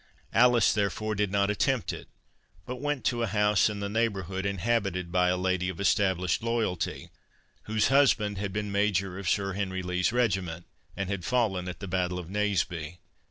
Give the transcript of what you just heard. Alice, therefore, did not attempt it, but went to a house in the neighbourhood, inhabited by a lady of established loyalty, whose husband had been major of Sir Henry Lee's regiment, and had fallen at the battle of Naseby.